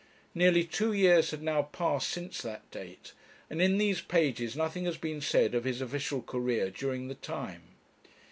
Nearly two years had now passed since that date, and in these pages nothing has been said of his official career during the time.